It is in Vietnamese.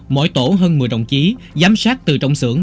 mỗi tổ hơn một mươi đồng chí giám sát từ trong xưởng